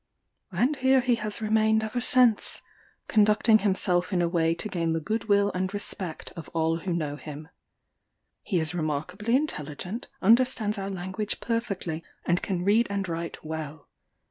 And here he has ever since remained; conducting himself in a way to gain the good will and respect of all who know him. He is remarkably intelligent, understands our language perfectly, and can read and write well.